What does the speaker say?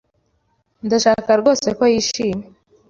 Ndashaka rwose ko yishima.